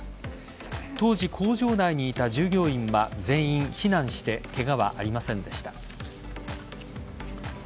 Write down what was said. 当時工場内にいた従業員は全員避難してケガはありませんでした。